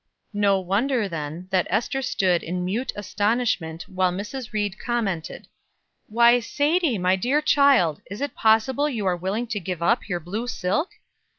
No wonder, then, that Ester stood in mute astonishment, while Mrs. Ried commented: "Why, Sadie, my dear child, is it possible you are willing to give up your blue silk?"